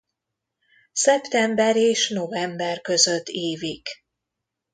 Szeptember és november között ívik.